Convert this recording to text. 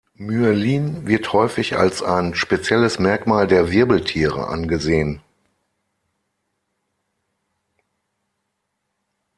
Myelin wird häufig als ein spezielles Merkmal der Wirbeltiere angesehen.